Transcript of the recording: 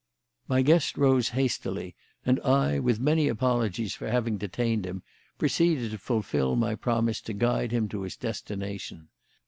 My guest rose hastily, and I, with many apologies for having detained him, proceeded to fulfil my promise to guide him to his destination.